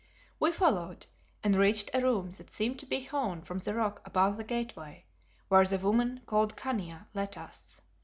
We followed, and reached a room that seemed to be hewn from the rock above the gateway, where the woman called Khania left us.